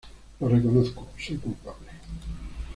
Lo reconozco, soy culpable.